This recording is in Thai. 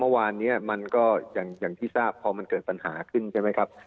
เมื่อวานนี้มันก็อย่างที่ทราบพอมันเกิดปัญหาขึ้นใช่ไหมครับ